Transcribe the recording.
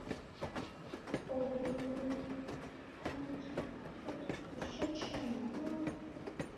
Я осторожно пробираюсь к двери и выхожу из магазина.